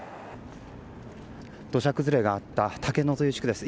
土砂崩れがあった竹野地区です。